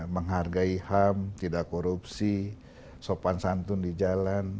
menghargai ham tidak korupsi sopan santun di jalan